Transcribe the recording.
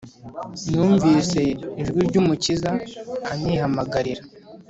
Numvise ijwi ry’umukiza anyihamagarira